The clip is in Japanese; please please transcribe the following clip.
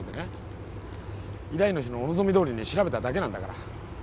依頼主のお望みどおりに調べただけなんだから。